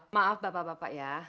maaf bapak bapak ya